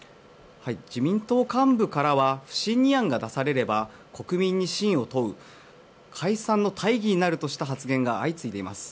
自民党幹部からは不信任案が出されれば国民に信を問う解散の大義になるとした発言が相次いでいます。